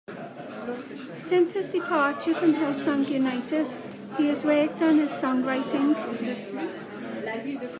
Since his departure from Hillsong United, he has worked on his songwriting.